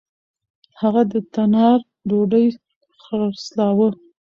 هغه د تنار ډوډۍ خرڅلاوه. .